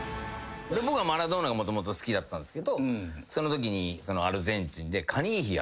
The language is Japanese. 僕はマラドーナがもともと好きだったんですけどそのときにアルゼンチンでカニーヒアっていう。